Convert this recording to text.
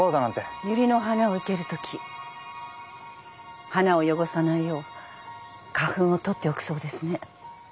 ユリの花を生けるとき花を汚さないよう花粉を取っておくそうですね。